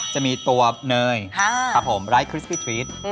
จะมีตัวเนยครับผมไร้คริสตี้ทรีส